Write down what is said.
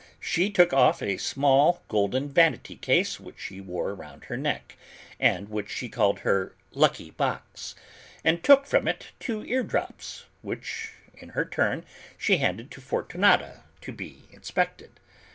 She took off a small golden vanity case which she wore around her neck, and which she called her Lucky Box, and took from it two eardrops, which, in her turn, she handed to Fortunata to be inspected.